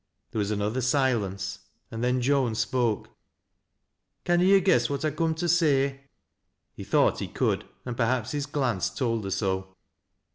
There was another silence, and then Joan spoke :" Canna yo' guess what I coom to say ?" He thought he could, and perhaps his glance told her so.